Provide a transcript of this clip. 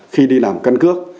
khi đi làm căn cứ